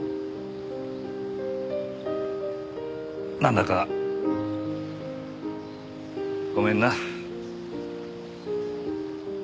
なんだかごめんな。